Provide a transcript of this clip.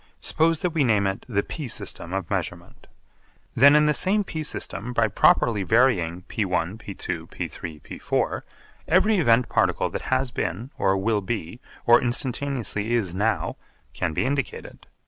Suppose that we name it the p system of measurement. Then in the same p system by properly varying (p₁, p₂, p₃, p₄) every event particle that has been, or will be, or instantaneously is now, can be indicated.